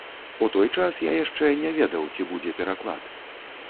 У той час я яшчэ не ведаў, ці будзе пераклад.